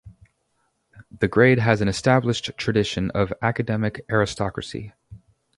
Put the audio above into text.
The grade has an established tradition of academic aristocracy.